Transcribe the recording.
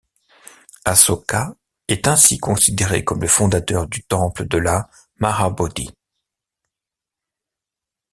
Ashoka est ainsi considéré comme le fondateur du temple de la Mahabodhi.